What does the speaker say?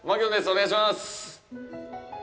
お願いしまーす。